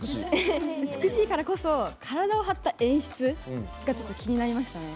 美しいからこそ「体を張った演出」が気になりましたね。